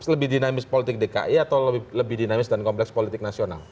lebih dinamis politik dki atau lebih dinamis dan kompleks politik nasional